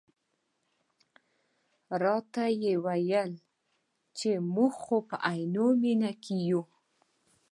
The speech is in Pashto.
راته یې وویل چې موږ خو په عینومېنه کې یو.